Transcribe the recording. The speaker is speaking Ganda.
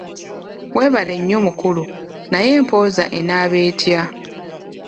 Weebale nnyo mukulu, naye empoza enaaba etya?